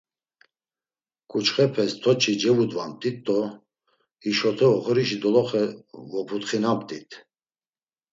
K̆uçxepes toç̌i kocevudumt̆it do hişote oxorişi doloxe voputxinamt̆it.